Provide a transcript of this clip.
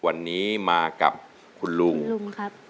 วันนี้มากับคุณลุงคุณลุงครับ